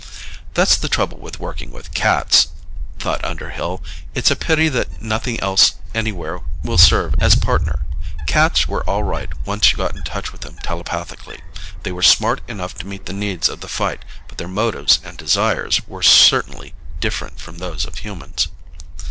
That's the trouble with working with cats, thought Underhill. It's a pity that nothing else anywhere will serve as Partner. Cats were all right once you got in touch with them telepathically. They were smart enough to meet the needs of the fight, but their motives and desires were certainly different from those of humans.